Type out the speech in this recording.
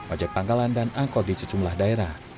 ojek pangkalan dan angkot di sejumlah daerah